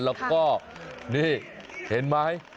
แล้วก็นี่เห็นไหม